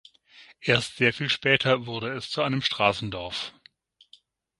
Erst sehr viel später wurde es zu einem Straßendorf.